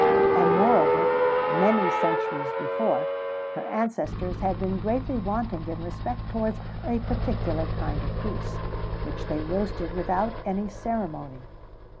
[XVII 58] And moreover, many centuries before, her ancestors had been greatly wanting in respect towards a particular kind of goose, which they roasted without any ceremony.